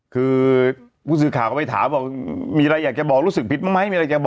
คือภูมิสือข่าวเขาไปถามมีอะไรอยากจะบอกรู้สึกผิดไหม